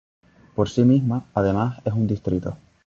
Por sí misma, además, es un distrito.